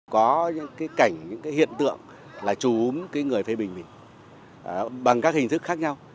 có những cảnh những hiện tượng là trùm người phê bình mình bằng các hình thức khác nhau